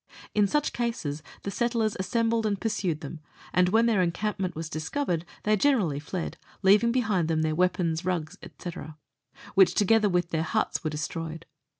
In such cases the settlers assembled and pursued them, and when their encampment was discovered they generally fled, leaving behind them their weapons, rugs, &c., which, together with their huts, were destroyed.